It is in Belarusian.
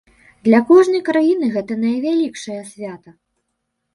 Для кожнай краіны гэта найвялікшае свята.